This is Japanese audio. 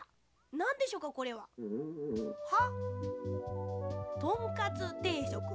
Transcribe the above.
なんでしょうかこれは？は？